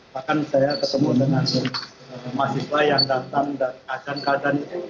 bahkan saya ketemu dengan mahasiswa yang datang dari kajian kajian itu